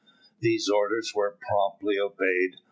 These orders were promptly obeyed.